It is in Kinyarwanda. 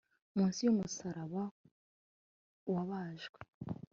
Munsi yumusaraba wabajwe